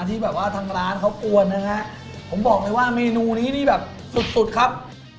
ที่แบบว่าทางร้านเขากวนนะฮะผมบอกเลยว่าเมนูนี้นี่แบบสุดสุดครับ